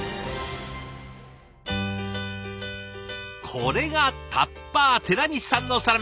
これがタッパー寺西さんのサラメシ。